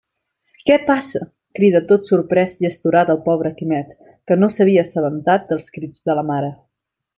Què passa? —crida tot sorprés i astorat el pobre Quimet, que no s'havia assabentat dels crits de la mare.